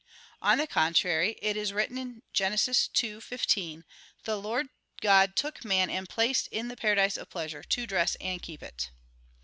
On the contrary, It is written (Gen. 2: 15): "The Lord God took man and placed in the paradise of pleasure, to dress and keep it."